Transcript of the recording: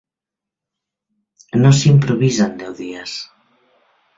No s’improvisa en deu dies.